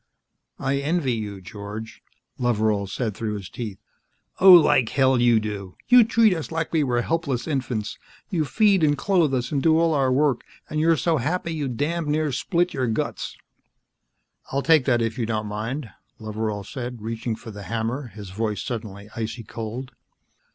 "I envy you, George," Loveral said through his teeth. "Oh, like hell you do. You treat us like we were helpless infants. You feed and clothe us and do all our work, and you're so happy you damned near split your guts." "I'll take that, if you don't mind," Loveral said, reaching for the hammer, his voice suddenly icy cold.